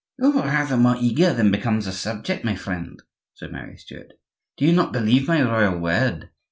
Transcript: "You are rather more eager than becomes a subject, my friend," said Mary Stuart. "Do you not believe my royal word?"